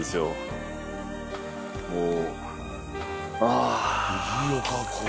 もう。